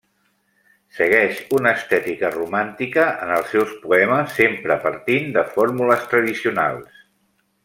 Segueix una estètica romàntica en els seus poemes, sempre partint de fórmules tradicionals.